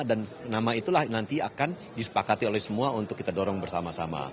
dan nama itulah nanti akan disepakati oleh semua untuk kita dorong bersama sama